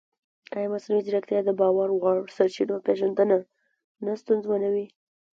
ایا مصنوعي ځیرکتیا د باور وړ سرچینو پېژندنه نه ستونزمنوي؟